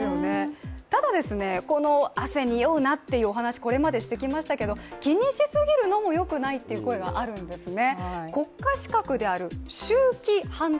ただ、この汗におうなというお話、これまでしてきましたけれども気にしすぎるのも良くないという声があるんですね。